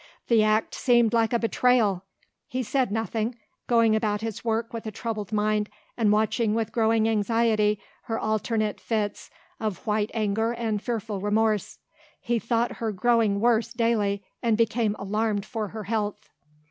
The act seemed like a betrayal. He said nothing, going about his work with a troubled mind and watching with growing anxiety her alternate fits of white anger and fearful remorse. He thought her growing worse daily and became alarmed for her health.